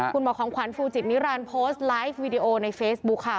คุณหมอของขวัญฟูจิตนิรันดิ์โพสต์ไลฟ์วีดีโอในเฟซบุ๊คค่ะ